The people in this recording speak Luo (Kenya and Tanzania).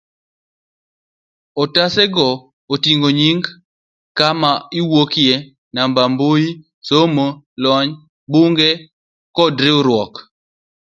otase go oting'o nying, kama iwuokie, namba mbui, somo, lony, buge kod riwruoge